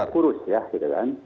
kurus ya gitu kan